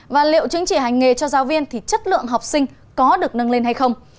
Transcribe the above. và liệu chứng chỉ hành nghề cho giáo viên thì chất lượng học sinh có được nâng lên hay không